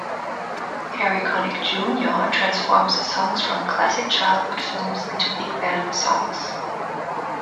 Harry Connick, Junior transforms songs from classic childhood films into big band songs.